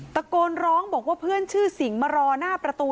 ตะโกนร้องบอกว่าเพื่อนชื่อสิงห์มารอหน้าประตู